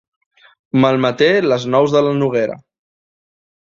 Malmeté les nous de la noguera.